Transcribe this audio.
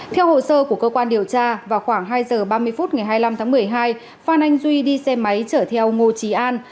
theo hồ sơ của cơ quan điều tra vào khoảng hai giờ ba mươi phút ngày hai mươi năm tháng một mươi hai phan anh duy đi xe máy chở theo ngô trí an